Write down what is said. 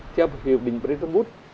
theo hiệp định president wood